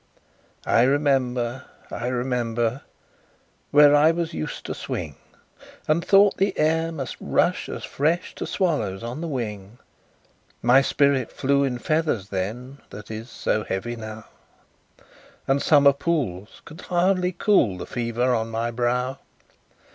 I remember, I remember, Where I was used to swing, And thought the air must rush as fresh To swallows on the wing; My spirit flew in feathers then, That is so heavy now, And summer pools could hardly cool The fever on my brow!